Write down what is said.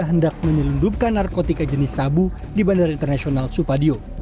hendak menyelundupkan narkotika jenis sabu di bandara internasional supadio